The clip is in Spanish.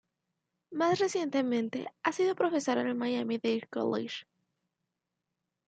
Más recientemente, ha sido profesora en el Miami Dade College.